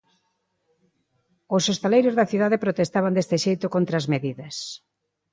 Os hostaleiros da cidade protestaban deste xeito contra as medidas.